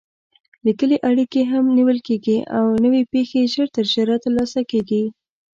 لیکلې اړیکې هم نیول کېږي او نوې پېښې ژر تر ژره ترلاسه کېږي.